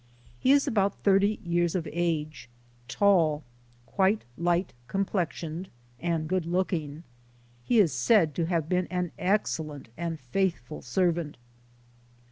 He is about thirty years of age, tall, quite light complexioned, and good looking. He is said to have been an excel lent and faithful servant.